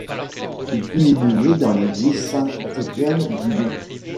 Il fut inhumé dans l'église Saint-Étienne-du-Mont.